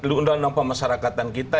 di undang undang pemasarakatan kita